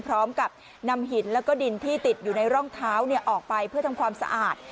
พร้อมกับนำหินแล้วก็ดินที่ติดอยู่ในร่องเท้าออกไปเพื่อทำความสะอาด